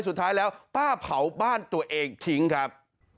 สุดท้ายแล้วป้าเผาบ้านตัวเองทิ้งครับ